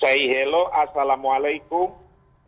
saya hello assalamualaikum